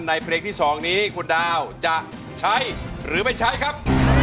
เพลงที่๒นี้คุณดาวจะใช้หรือไม่ใช้ครับ